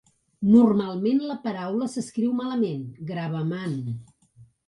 Normalment la paraula s'escriu malament "gravaman".